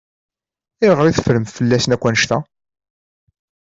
Ayɣer i teffrem fell-asen akk annect-a?